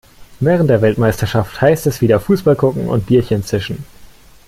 Während der Weltmeisterschaft heißt es wieder Fußball gucken und Bierchen zischen.